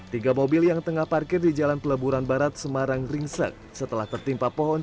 tiga mobil yang tengah parkir di jalan peleburan barat semarang ringsek setelah tertimpa pohon